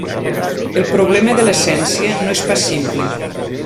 El problema de l'essència no és pas simple.